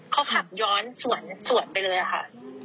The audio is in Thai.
เขาขับย้อนสวนไปเลยค่ะ